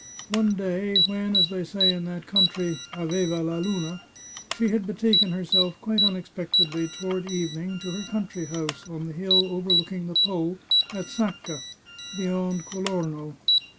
One day, when, as they say in that country, " aveva la luna," she had betaken herself, quite unexpectedly, toward evening, to her country house on the hill overlooking the Po, at Sacca, beyond Colorno.